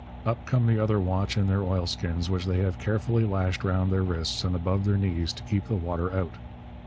Up come the other watch in their oilskins, which they have carefully lashed round their wrists and above their knees to keep the water out.